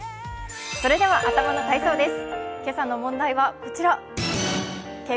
それでは頭の体操です。